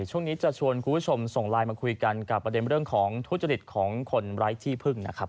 ช่วงนี้จะชวนคุณผู้ชมส่งไลน์มาคุยกันกับประเด็นเรื่องของทุจริตของคนไร้ที่พึ่งนะครับ